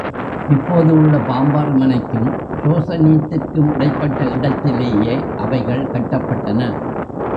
இப்போது உள்ள பாம்பாறு மனை க்கும், ரோசனீத் திற்கும் இடைப்பட்ட இடத்திலேயே அவைகள் கட்டப்பட்டன.